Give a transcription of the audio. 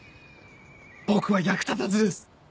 僕は役立たずです！